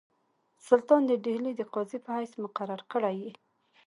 سلطان د ډهلي د قاضي په حیث مقرر کړی یې.